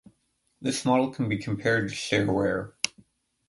This model can be compared to shareware.